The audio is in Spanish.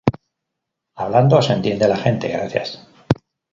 hablando se entiende la gente. gracias.